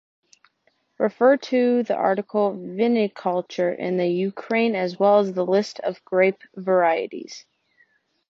Refer to the article viniculture in the Ukraine as well as the list of grape varieties.